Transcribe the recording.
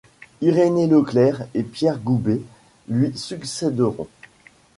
Irénée Leclerc et Pierre Goubet lui succèderont.